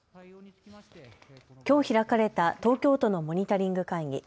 きょう開かれた東京都のモニタリング会議。